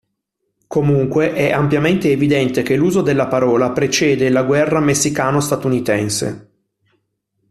Comunque, è ampiamente evidente che l'uso della parola precede la guerra messicano-statunitense.